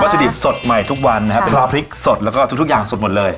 จะดิบสดใหม่ทุกวันนะครับเป็นพริกสดแล้วก็ทุกอย่างสดหมดเลย